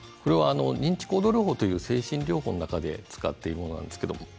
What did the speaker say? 認知行動療法という精神療法の中で使っているものです。